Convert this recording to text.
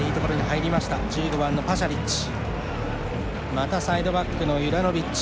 またサイドバックのユラノビッチ。